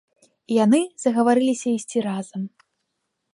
І яны згаварыліся ісці разам.